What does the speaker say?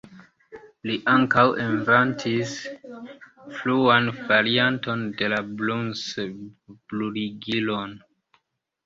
Li ankaŭ inventis fruan varianton de la Bunsen-bruligilon.